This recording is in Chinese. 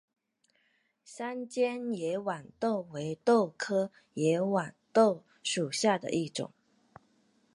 三尖野豌豆为豆科野豌豆属下的一个种。